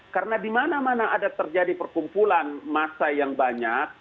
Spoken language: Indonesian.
karena dimana mana ada terjadi perkumpulan massa yang banyak